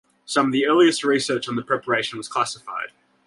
Some of the earliest research on the preparation was classified.